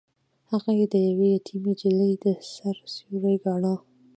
هغه يې د يوې يتيمې نجلۍ د سر سيوری ګاڼه.